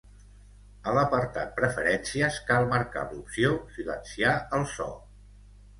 A l’apartat “Preferències”, cal marcar l’opció “Silencia el so”.